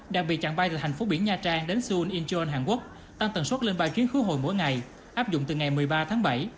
đặc biệt chặng bay từ thành phố biển nha trang đến seoul incheon hàn quốc tăng tần suất lên ba chuyến khứa hồi mỗi ngày áp dụng từ ngày một mươi ba tháng bảy